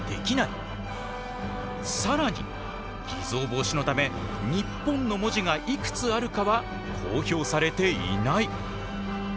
更に偽造防止のため「ＮＩＰＰＯＮ」の文字がいくつあるかは公表されていない。